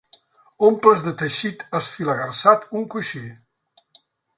Omples de teixit esfilagarsat un coixí.